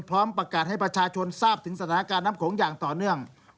พร้อมประกาศให้ประชาชนทราบถึงสถานการณ์น้ำโขงอย่างต่อเนื่อง